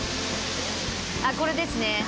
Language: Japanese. あっこれですね。